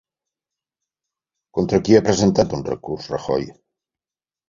Contra qui ha presentat un recurs Rajoy?